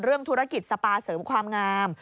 เรื่องธุรกิจสปาเสริมความงาม